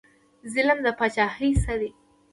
ظلم د پاچاهۍ څه دی؟